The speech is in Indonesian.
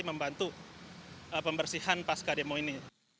membantu pembersihan pasca demo ini